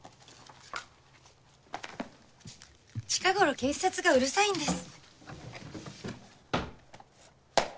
近頃警察がうるさいんです。